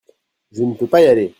je ne peux pas y aller.